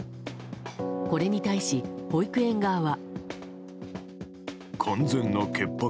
これに対し、保育園側は。